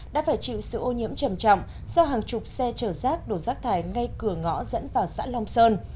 đã phải chịu sự ô nhiễm trầm trọng do hàng chục xe chở rác đổ rác thải ngay cửa ngõ dẫn vào xã long sơn